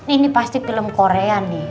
ini pasti film korea nih